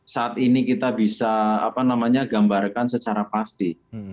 saat ini kita bisa gambarkan secara pasti